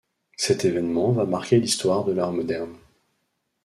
Cet événement va marquer l'histoire de l'art moderne.